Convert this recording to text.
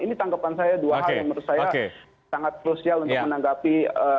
ini tanggapan saya dua hal yang menurut saya sangat krusial untuk menanggapi